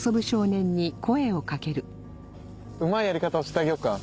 うまいやり方を教えてあげようか。